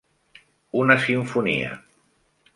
Una simfonia.